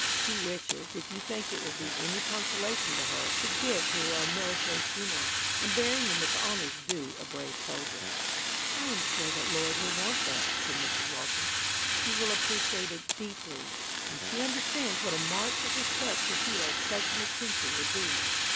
He wishes, if you think it will be any consolation to her, to give Hero a military funeral, and bury him with the honours due a brave soldier." "I am sure that Lloyd will want that," said Mrs, Walton. "She will appreciate it deeply, when she understands what a mark of respect to Hero such an attention would be.